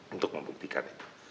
untuk membuktikan itu